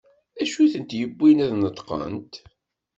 D acu i tent-yewwin ad d-neṭqent?